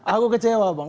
aku kecewa bang